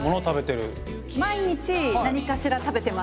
毎日なにかしら食べてます。